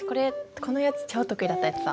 このやつ超得意だったやつだ。